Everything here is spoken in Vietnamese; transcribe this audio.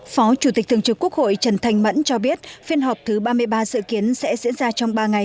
phó chủ tịch thường trực quốc hội trần thanh mẫn cho biết phiên họp thứ ba mươi ba dự kiến sẽ diễn ra trong ba ngày